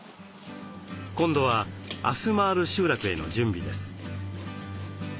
今度はあす回る集落への準備です。